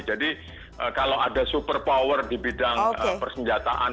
jadi kalau ada super power dibidang persenjataan